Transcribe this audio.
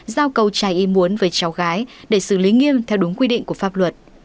giao câu trai im muốn với cháu gái để xử lý nghiêm theo đúng quy định của pháp luật